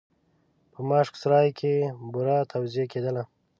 په ماشک سرای کې بوره توزېع کېدله.